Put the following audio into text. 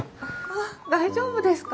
あっ大丈夫ですか？